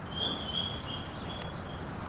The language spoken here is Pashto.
د پانګونې اغېزې ناليدلې مه نيسئ.